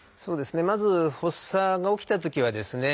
まず発作が起きたときはですね